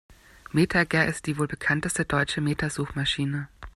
MetaGer ist die wohl bekannteste deutsche Meta-Suchmaschine.